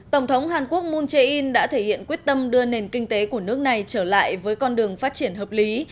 tin đã thể hiện quyết tâm đưa nền kinh tế của nước này trở lại với con đường phát triển hợp lý